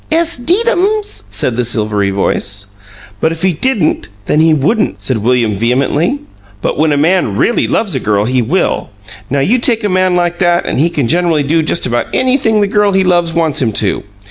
"Ess, 'deedums!" said the silvery voice. "But if he didn't, then he wouldn't," said William vehemently. "But when a man really loves a girl he will. Now, you take a man like that and he can generally do just about anything the girl he loves wants him to.